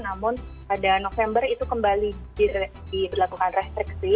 namun pada november itu kembali diberlakukan restriksi